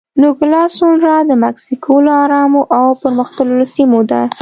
نوګالس سونورا د مکسیکو له ارامو او پرمختللو سیمو ده.